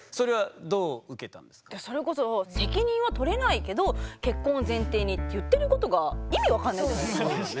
それこそ「責任は取れないけど結婚を前提に」って言ってることが意味分かんないじゃないですか。